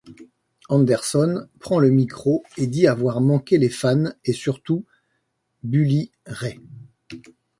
Anderson prend le micro et dit avoir manqué les fans et surtout Bully Ray.